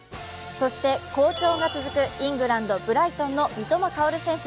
そして、好調が続くイングランド・ブライトンの三笘薫選手。